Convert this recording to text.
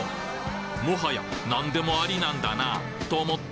もはや何でもありなんだなと思った